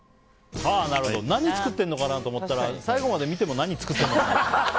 何作ってるのかなと思ったら最後まで見ても何作ってたのか。